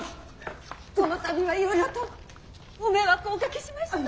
この度はいろいろとご迷惑をおかけしました。